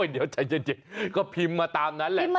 เดี๋ยวใจจะเจ็บก็พิมพ์มาตามนั้นแหละ